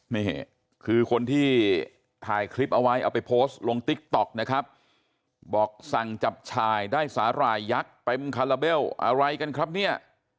นี่คือคนที่ถ่ายคลิปเอาไว้เอาไปโพสต์ลงติ๊กต๊อกนะครับบอกสั่งจับชายได้สาหร่ายยักษ์เต็มคาราเบลอะไรกันครับเนี่ย